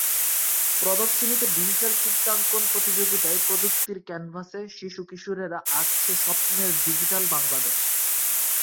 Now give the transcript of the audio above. প্রদর্শনীতে ডিজিটাল চিত্রাঙ্কন প্রতিযোগিতায় প্রযুক্তির ক্যানভাসে শিশু কিশোরেরা আঁঁকছে স্বপ্নের ডিজিটাল বাংলাদেশ।